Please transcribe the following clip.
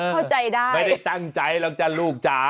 ไม่ได้ตั้งใจหลังจาลูกจ๊ะ